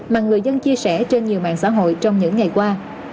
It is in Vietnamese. mà người dân chia sẻ trên nhiều mạng xã hội trong những ngày qua